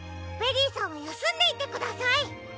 ベリーさんはやすんでいてください。